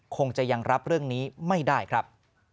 คงจะยังรับเรื่องนี้ไม่ได้ครับ